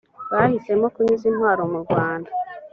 bahisemo kunyuza intwaro mu rwanda